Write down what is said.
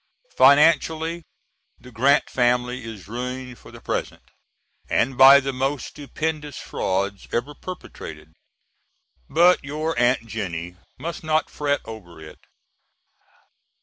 Financially the Grant family is ruined for the present, and by the most stupendous frauds ever perpetrated. But your Aunt Jennie must not fret over it.